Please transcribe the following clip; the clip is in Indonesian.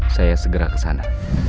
saya segera kesana